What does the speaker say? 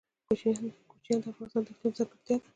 کوچیان د افغانستان د اقلیم ځانګړتیا ده.